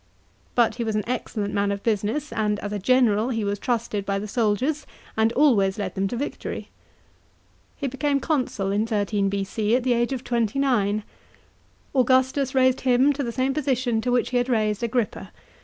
But he was an excellent man of business and as a general he wa* trusted by the soldiers, and always led them to victory. He became consul in 13 B.C., at the age of twenty nine. Augustus raised him to the same position to which he had raised Agrippa.